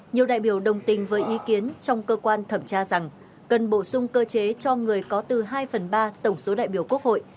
nhiều đại biểu đồng tình với ý kiến trong cơ quan thẩm tra rằng cần bổ sung cơ chế cho người có từ hai phần ba tổng số đại biểu quốc hội